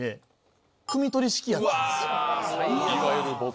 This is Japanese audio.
いわゆる。